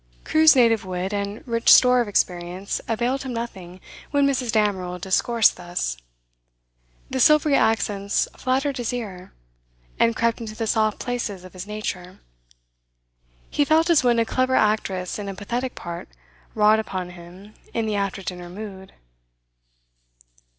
Crewe's native wit and rich store of experience availed him nothing when Mrs. Damerel discoursed thus. The silvery accents flattered his ear, and crept into the soft places of his nature. He felt as when a clever actress in a pathetic part wrought upon him in the after dinner mood.